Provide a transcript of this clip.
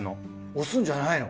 押すんじゃないの？